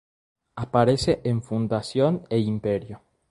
Aparece en Fundación e Imperio.